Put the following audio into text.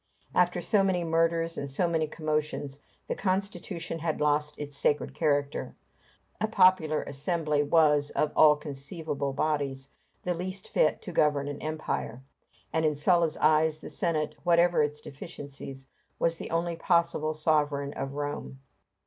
After so many murders, and so many commotions, the constitution had lost its sacred character; a popular assembly was, of all conceivable bodies, the least fit to govern an empire; and in Sulla's eyes the Senate, whatever its deficiencies, was the only possible sovereign of Rome.